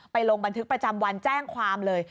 ลงบันทึกประจำวันแจ้งความเลย